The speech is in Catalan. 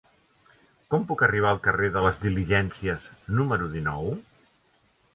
Com puc arribar al carrer de les Diligències número dinou?